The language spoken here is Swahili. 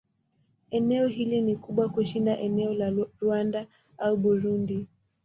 Eneo hili ni kubwa kushinda eneo la Rwanda au Burundi.